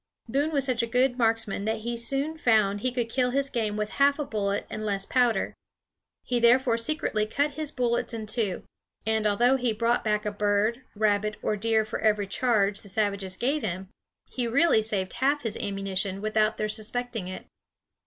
Boone was such a good marksman that he soon found he could kill his game with half a bullet and less powder. He therefore secretly cut his bullets in two, and although he brought back a bird, rabbit, or deer for every charge the savages gave him, he really saved half his ammunition without their suspecting it.